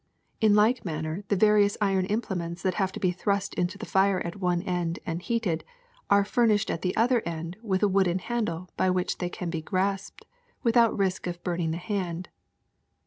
In like manner the various iron implements that have to be thrust into the fire at one end and heated are furnished at the other end with a wooden handle by which they can be grasped without risk of burning the hand.